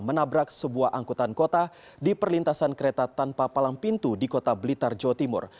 menabrak sebuah angkutan kota di perlintasan kereta tanpa palang pintu di kota blitar jawa timur